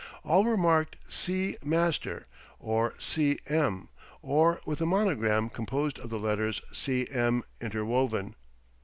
All were marked "C. Master" or "C. M." or with a monogram composed of the letters "C. M." interwoven.